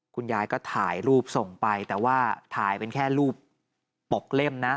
คุณยายก็ถ่ายรูปส่งไปแต่ว่าถ่ายเป็นแค่รูปปกเล่มนะ